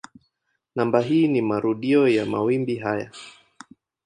Namba hii ni marudio ya mawimbi haya.